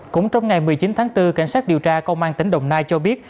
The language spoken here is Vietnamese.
cũng trong ngày một mươi chín tháng bốn cảnh sát điều tra công an tỉnh đồng nai cho biết